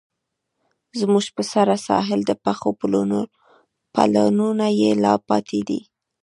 زموږ په سره ساحل، د پښو پلونه یې لا پاتې دي